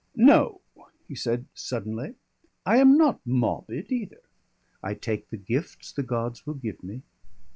"No," he said suddenly, "I am not mawbid either. I take the gifts the gods will give me.